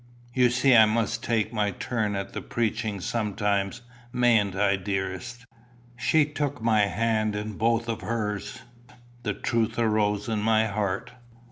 You see I must take my turn at the preaching sometimes. Mayn't I, dearest?" She took my hand in both of hers. The truth arose in my heart.